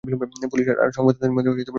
Police আর সংবাদদাতাদের মধ্যে বিলম্বের মতো।